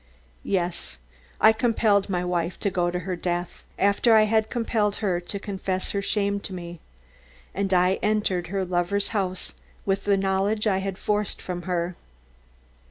Yes, I compelled my wife to go to her death after I had compelled her to confess her shame to me, and I entered her lover's house with the knowledge I had forced from her.